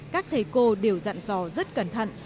các thầy cô đều dặn dò rất cẩn thận